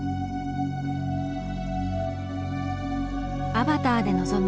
「アバター」で臨む